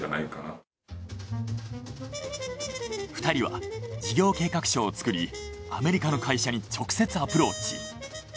２人は事業計画書を作りアメリカの会社に直接アプローチ。